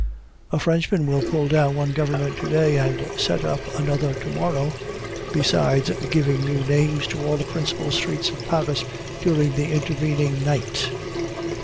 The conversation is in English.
A Frenchman will pull down one government to day, and set up another to morrow, besides giving new names to all the principal streets of Paris during the intervening night.